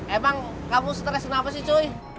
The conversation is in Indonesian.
emang kamu stres kenapa sih cuy